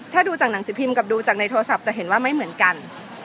ถ้าดูจากหนังสือพิมพ์กับดูจากในโทรศัพท์จะเห็นว่าไม่เหมือนกัน